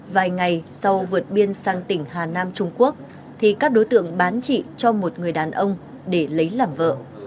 vài ngày sau vượt biên sang tỉnh hà nam trung quốc thì các đối tượng bán chị cho một người đàn ông để lấy làm vợ